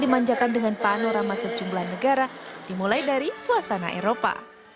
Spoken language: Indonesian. dimanjakan dengan panorama sejumlah negara dimulai dari suasana eropa